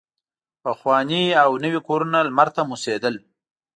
پخواني او نوي کورونه لمر ته موسېدل.